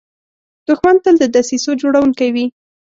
دښمن تل د دسیسو جوړونکی وي